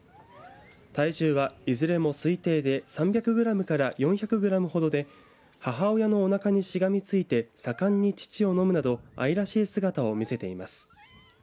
体重は、いずれも推定で３００グラムから４００グラムほどで母親のおなかにしがみついて盛んに乳を飲むなど愛らしい姿を見せています。